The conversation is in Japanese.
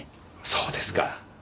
そうですか。